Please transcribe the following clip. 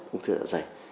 ung thư dạ dày